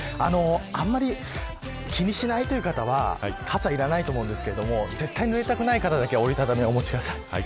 あんまり気にしないという方は傘いらないと思うんですが絶対ぬれたくない方だけ折り畳みをお持ちください。